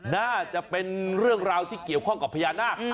น่าจะเป็นเรื่องราวที่เกี่ยวข้องกับพญานาค